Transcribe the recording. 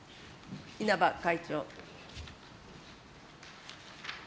稲葉会長。